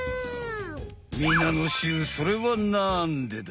みなのしゅうそれはなんでだ？